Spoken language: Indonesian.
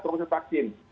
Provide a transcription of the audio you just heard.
untuk membuat vaksin